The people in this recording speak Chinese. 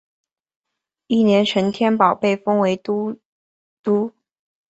翌年陈添保被封为都督。